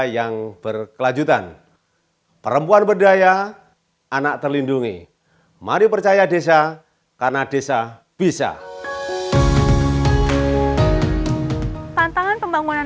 melalui kemampuan perempuan dan anak mereka bisa memiliki kekuatan yang berbeda